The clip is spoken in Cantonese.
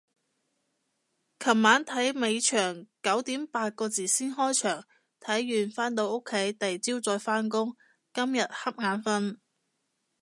前晚睇尾場九點八個字先開場，睇完返到屋企第朝再返工，全日恰眼瞓